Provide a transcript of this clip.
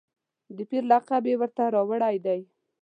د پیر لقب یې ورته راوړی دی.